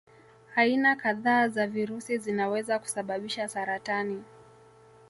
Aina kadhaa za virusi zinaweza kusababisha saratani.